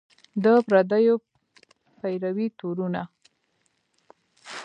د پردیو پیروۍ تورونه